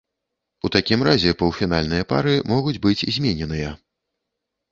У такім разе паўфінальныя пары могуць быць змененыя.